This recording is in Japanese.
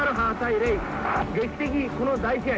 劇的この大試合。